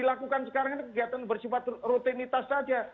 dilakukan sekarang ini kegiatan bersifat rutinitas saja